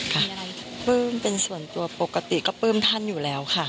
ค่ะเปิ้มเป็นส่วนตัวปกติก็เปิ้มท่านอยู่แล้วค่ะ